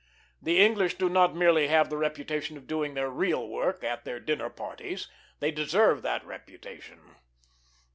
The English do not merely have the reputation of doing their real work at their dinner parties they deserve that reputation.